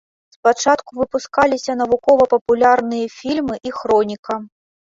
Спачатку выпускаліся навукова-папулярныя фільмы і хроніка.